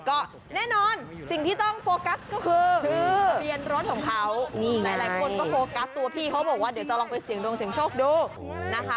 ก็แน่นอนสิ่งที่ต้องโฟกัสก็คือคือทะเบียนรถของเขาหลายคนก็โฟกัสตัวพี่เขาบอกว่าเดี๋ยวจะลองไปเสียงดวงเสียงโชคดูนะคะ